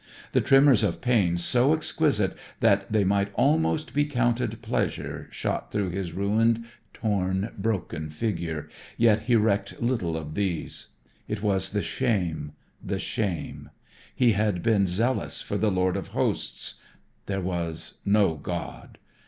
The tremors of pain so exquisite that they might almost be counted pleasure shot through his ruined, torn, broken figure, yet he recked little of these. It was the shame, the shame. He had been zealous for the Lord of Hosts. There was no God.